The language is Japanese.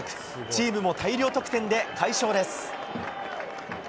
チームも大量得点で快勝です。